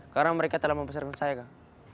karena mereka telah membesarkan saya kak